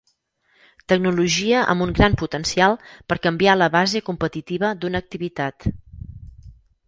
Tecnologia amb un gran potencial per canviar la base competitiva d'una activitat.